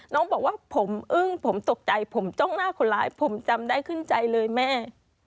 น้องบอกว่าผมอึ้งผมตกใจผมจ้องหน้าคนร้ายผมจำได้ขึ้นใจเลยแม่